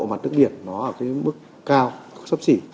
mặt nước biển nó ở mức cao sấp xỉ